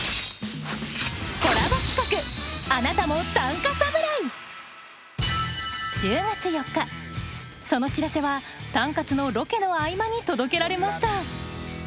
コラボ企画その知らせは「タンカツ」のロケの合間に届けられました。